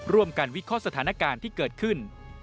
วิเคราะห์สถานการณ์ที่เกิดขึ้น